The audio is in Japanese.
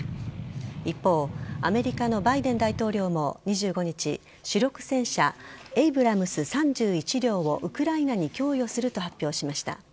一方アメリカのバイデン大統領も２５日主力戦車・エイブラムス３１両をウクライナに供与すると発表しました。